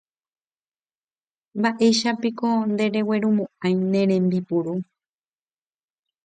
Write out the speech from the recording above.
Mba'éichapiko ndereguerumo'ãi ne rembipuru.